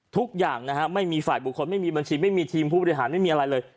ทุกอย่างนะฮะไม่มีฝ่ายบุคคลไม่มีบัญชีไม่มีทีมผู้บริหารไม่มีอะไรเลย